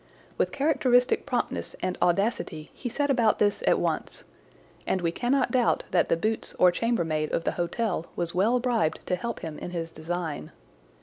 With characteristic promptness and audacity he set about this at once, and we cannot doubt that the boots or chamber maid of the hotel was well bribed to help him in his design.